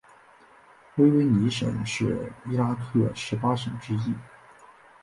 尼尼微省是伊拉克十八省之一。